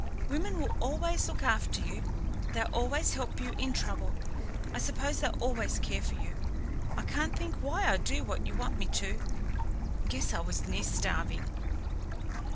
Women will always look after you; they'll always help you in trouble I suppose they'll always care for you. Can't think why I do what you want me to. Guess I was near starving."